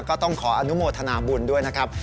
ก็ต้องขออนุโมทนาบุญด้วยนะครับ